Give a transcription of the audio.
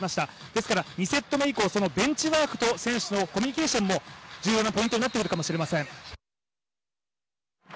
ですから２セット目以降ベンチワークと選手のコミュニケーションも重要なポイントになってくるかもしれません。